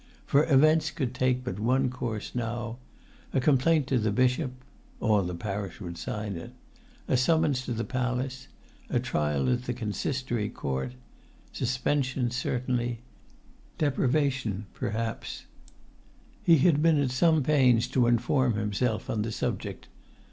For events could take but one course now: a complaint to the bishop (all the parish would sign it), a summons to the palace, a trial at the consistory court; suspension certainly; deprivation, perhaps; he had been at some pains to inform himself on the subject.